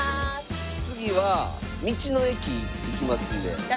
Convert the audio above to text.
次は道の駅行きますんで。